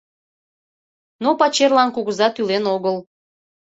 Но пачерлан кугыза тӱлен огыл.